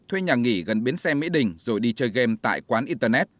thuê nhà nghỉ gần biến xe mỹ đình rồi đi chơi game tại quán internet